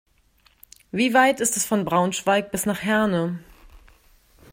Wie weit ist es von Braunschweig bis nach Herne?